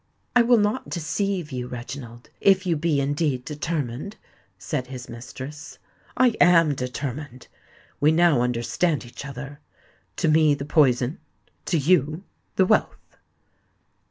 "I will not deceive you, Reginald—if you be indeed determined," said his mistress. "I am determined. We now understand each other: to me the poison—to you the wealth."